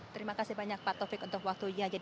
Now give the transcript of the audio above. terima kasih banyak pak taufik untuk waktunya